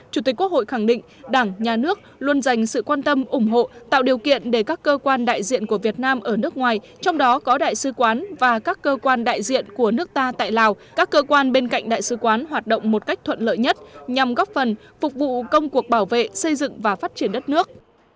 chủ tịch quốc hội khẳng định đảng nhà nước luôn dành sự quan tâm ủng hộ tạo điều kiện để các cơ quan đại diện của việt nam ở nước ngoài trong đó có đại sứ quán và các cơ quan đại diện của nước ta tại lào các cơ quan bên cạnh đại sứ quán hoạt động một cách thuận lợi nhất nhằm góp phần phục vụ công cuộc bảo vệ xây dựng và phát triển đất nước